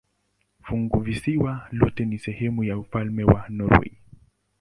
Funguvisiwa lote ni sehemu ya ufalme wa Norwei.